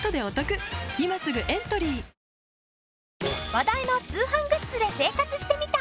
話題の通販グッズで生活してみた！